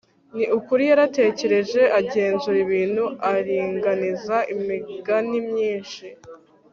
ni ukuri, yaratekereje, agenzura ibintu, aringaniza imigani myinshi